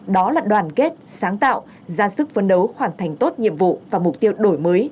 đó là đoàn kết sáng tạo ra sức phấn đấu hoàn thành tốt nhiệm vụ và mục tiêu đổi mới